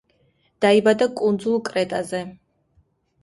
დაიბადა კუნძულ კრეტაზე.